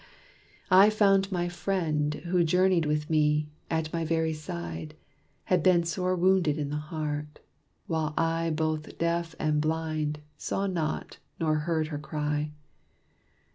I found my friend Who journeyed with me at my very side, Had been sore wounded to the heart, while I Both deaf and blind, saw not, nor heard her cry.